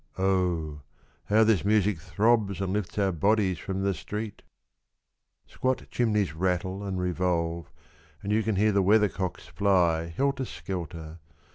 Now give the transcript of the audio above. Oh ! how this music throbs And lifts our bodies from the street ! Squat chimneys rattle and revolve And you can hear The weathercocks fly helter skelter.